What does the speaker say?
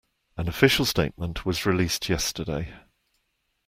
An official statement was released yesterday.